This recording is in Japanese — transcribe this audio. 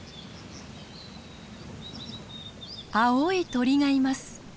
青い鳥がいます。